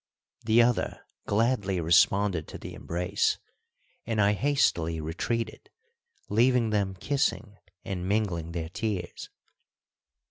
The other gladly responded to the embrace, and I hastily retreated, leaving them kissing and mingling their tears.